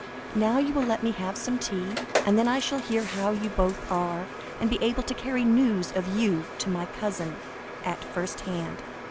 Now you will let me have some tea, and then I shall hear how you both are, and be able to carry news of you to my cousin, at first hand."